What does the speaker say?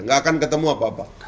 gak akan ketemu apa apa